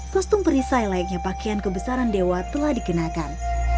kostum perisai layaknya pakaian kebesaran dewa telah dikenakan